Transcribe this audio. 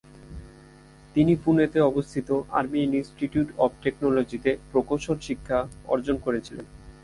তিনি পুনেতে অবস্থিত আর্মি ইনস্টিটিউট অব টেকনোলজিতে প্রকৌশল শিক্ষা অর্জন করেছিলেন।